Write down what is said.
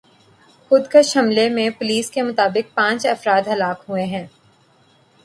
خودکش حملے میں پولیس کے مطابق پانچ افراد ہلاک ہوئے ہیں